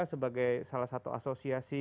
sebagai salah satu asosiasi